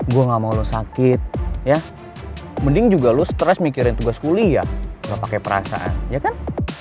gue gak mau lo sakit ya mending juga lo stres mikirin tugas kuliah nggak pakai perasaan ya kan